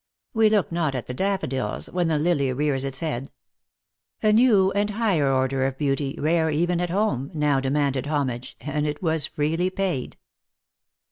We look not at the daffodils when the lily rears its head. A new and higher order of beauty, rare even at home, now demanded homage, and it was freely paid.